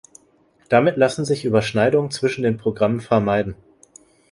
Damit lassen sich Überschneidungen zwischen den Programmen vermeiden.